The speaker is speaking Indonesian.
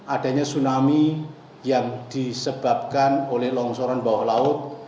adanya tsunami yang disebabkan oleh longsoran bawah laut